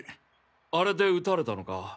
あれで撃たれたのか？